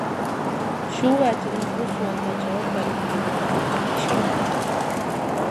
شۇ ۋەجىدىن، بۇ سوئالغا «جاۋاب بەرگىلى بولمايدۇ» دېيىشكىمۇ بولىدۇ.